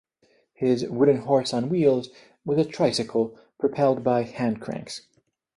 His "Wooden Horse on Wheels" was a tricycle propelled by hand cranks.